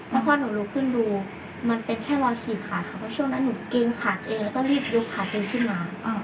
แล้วพอหนูลุกขึ้นดูมันเป็นแค่รอยฉีกขาดค่ะเพราะช่วงนั้นหนูเกรงขาดเองแล้วก็รีบยกขาตัวเองขึ้นมา